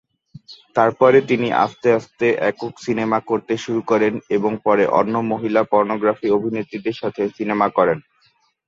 তারপরে তিনি আস্তে আস্তে একক সিনেমা করতে শুরু করেন এবং পরে অন্য মহিলা পর্নোগ্রাফি অভিনেত্রীদের সাথে সিনেমা করেন।